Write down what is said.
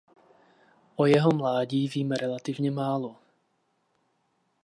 O jeho mládí víme relativně málo.